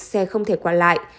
xe không thể quản lại